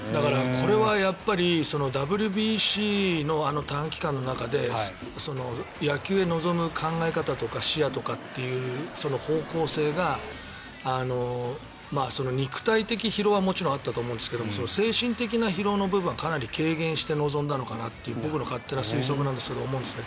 これはやっぱりＷＢＣのあの短期間の中で野球に臨む考え方とか視野とかっていう方向性が、肉体的疲労はもちろんあったと思うんですが精神的な疲労の部分はかなり軽減して臨んだのかなという僕の勝手な推測なんですが思うんですね。